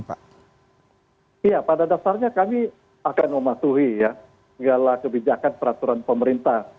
pada dasarnya kami akan mematuhi segala kebijakan peraturan pemerintah